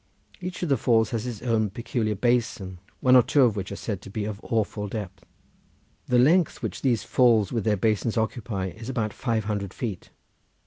Each of the falls has its own peculiar basin, one or two of which are said to be of awful depth. The length which these falls with their basins occupy is about five hundred feet.